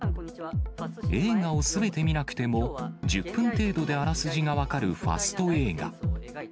映画をすべて見なくても、１０分程度であらすじが分かる、ファスト映画。